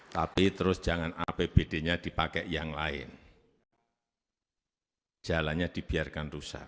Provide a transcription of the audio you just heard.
tapi terus jangan apbd nya dipakai yang lain jalannya dibiarkan rusak